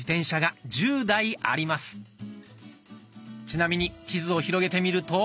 ちなみに地図を広げてみると。